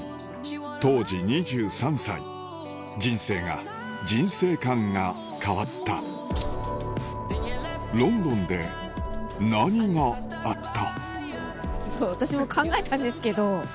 当時２３歳人生が人生観が変わったロンドンで何があった？